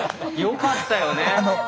よかったよね？